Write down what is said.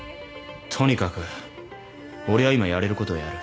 とにかく俺は今やれることをやる。